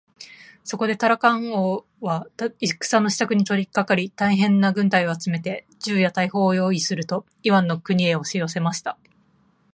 そこでタラカン王は戦のしたくに取りかかり、大へんな軍隊を集めて、銃や大砲をよういすると、イワンの国へおしよせました。